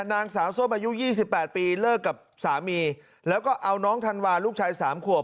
นางสาวส้มอายุ๒๘ปีเลิกกับสามีแล้วก็เอาน้องธันวาลูกชายสามขวบ